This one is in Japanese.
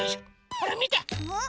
ほらみて！